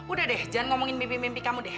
udah deh jangan ngomongin mimpi mimpi kamu deh